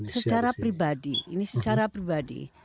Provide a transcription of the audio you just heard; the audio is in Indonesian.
secara pribadi ini secara pribadi